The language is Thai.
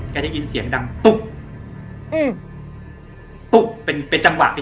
แกได้ยินเสียงดังตุ๊กเป็นจังหวะ